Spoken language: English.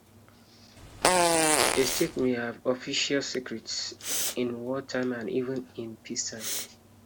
A state may have official secrets, in wartime and even in peacetime.